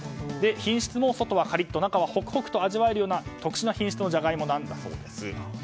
品質も外はカリッと中はほくほくと味わえるような特殊な品質のジャガイモだそうです。